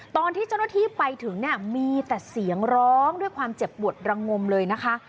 ตอนที่เจ้าหน้าที่ไปถึงเนี่ยมีแต่เสียงร้องด้วยความเจ็บปวดระงมเลยนะคะ